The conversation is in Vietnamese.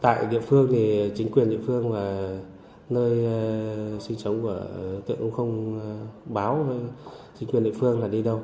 tại địa phương thì chính quyền địa phương và nơi sinh sống của đối tượng cũng không báo chính quyền địa phương là đi đâu